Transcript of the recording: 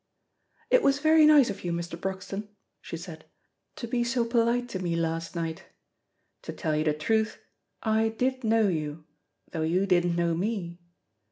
"It was very nice of you, Mr. Broxton," she said, "to be so polite to me last night. To tell you the truth, I did know you, though you didn't know me.